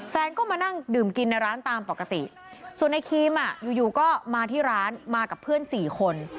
แฟนก็มานั่งดื่มกินในร้านตามปกติส่วนในครีมอยู่ก็มาที่ร้านมากับเพื่อนสี่คน